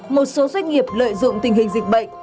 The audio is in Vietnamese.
một số doanh nghiệp lợi dụng tình hình dịch bệnh